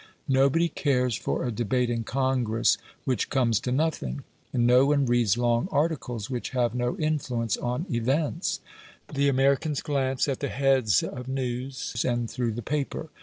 Nobody cares for a debate in Congress which "comes to nothing," and no one reads long articles which have no influence on events. The Americans glance at the heads of news, and through the paper.